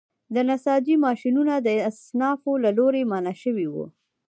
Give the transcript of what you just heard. د نساجۍ ماشینونه د اصنافو له لوري منع شوي وو.